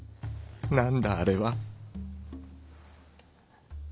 何だあれは。